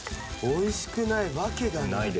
美味しくないわけがない。